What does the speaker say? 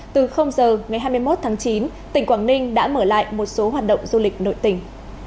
từ giờ ngày hai mươi một tháng chín tỉnh quảng ninh đã mở lại một số hoạt động du lịch nội tỉnh